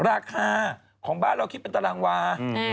ราคาของบ้านเราคิดเป็นตารางวา